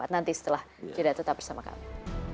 nanti setelah jeda tetap bersama kami